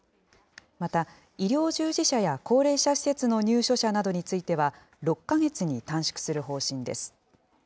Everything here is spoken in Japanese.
また、医療従事者や高齢者施設の入所者などについては、６か月に短縮する方針です。